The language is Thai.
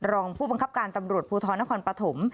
รองผู้บังคับการตำรวจภูทรนครปฐม